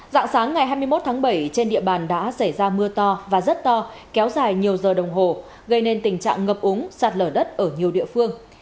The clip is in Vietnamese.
dạng sáng ngày hai mươi một tháng bảy trên địa bàn đã xảy ra mưa to và rất to kéo dài nhiều giờ đồng hồ gây nên tình trạng ngập úng sạt lở đất ở nhiều địa phương